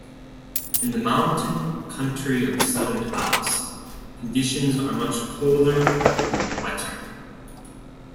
In the mountain country of the Southern Alps, conditions are much colder and wetter.